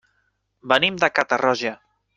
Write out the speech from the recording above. Venim de Catarroja.